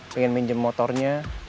pengen minjem motornya